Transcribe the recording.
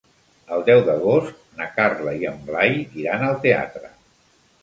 El deu d'agost na Carla i en Blai iran al teatre.